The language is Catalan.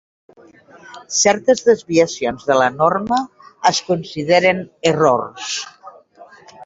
Certes desviacions de la norma es consideren "errors".